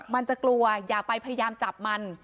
มันจะกลัวอย่าไปพยายามจับมัน